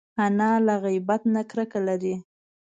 انا له غیبت نه کرکه لري